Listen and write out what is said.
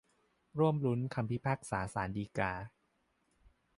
ร่วมลุ้นคำพิพากษาศาลฎีกา